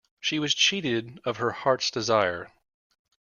She was cheated of her heart's desire.